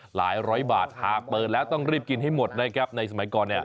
หลายร้อยบาทหากเปิดแล้วต้องรีบกินให้หมดนะครับในสมัยก่อนเนี่ย